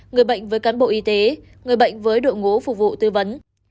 người bệnh với cán bộ y tế người bệnh với đội ngũ phục vụ tư vấn